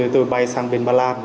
tôi bay sang bên bà lan